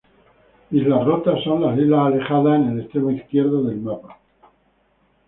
Islas Rotas son las islas alejadas en el extremo izquierdo del mapa.